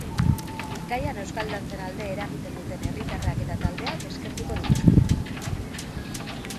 Bizkaian euskal dantzen alde eragiten duten herritarrak eta taldeak eskertuko dituzte.